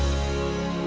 terima kasih pak